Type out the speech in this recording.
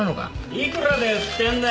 いくらで売ってんだ！